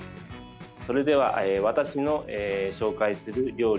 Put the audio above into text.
それでは私の紹介する料理